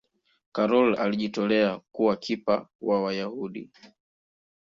karol alijitolea kuwa kipa wa Wayahudi